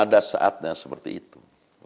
ada saatnya seperti itu